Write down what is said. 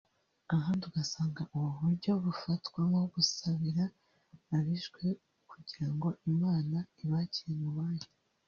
ahandi ugasanga ubu buryo bufatwa nko gusabira abishwe kugira ngo Imana ibakire mu bayo